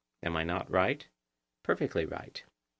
Am I not right? Perfectly right.